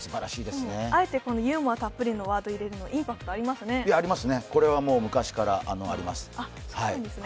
あえてユーモアたっぷりのワードを入れるのはインパクトたっぷりありますね。